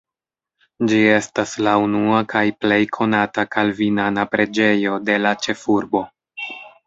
Ĝi estas la unua kaj plej konata kalvinana preĝejo de la ĉefurbo.